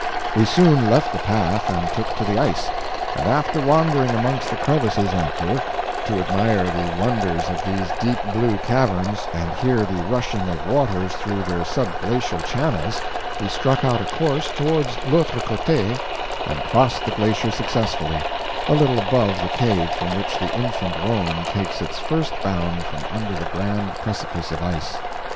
We soon left the path and took to the ice; and after wandering amongst the crevices UN PEU, to admire the wonders of these deep blue caverns, and hear the rushing of waters through their subglacial channels, we struck out a course toward L'AUTRE CÔTE and crossed the glacier successfully, a little above the cave from which the infant Rhone takes its first bound from under the grand precipice of ice.